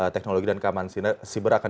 teknologi dan keamanan siber akan